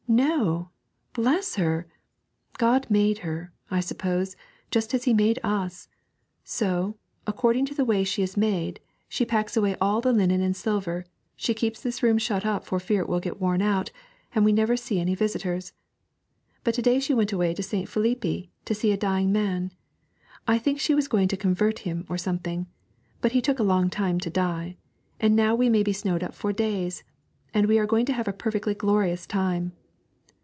'No! Bless her! God made her, I suppose, just as He made us; so, according to the way she is made, she packs away all the linen and silver, she keeps this room shut up for fear it will get worn out, and we never see any visitors. But to day she went away to St. Philippe to see a dying man I think she was going to convert him or something; but he took a long time to die; and now we may be snowed up for days, and we are going to have a perfectly glorious time.'